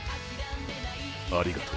「ありがとう」。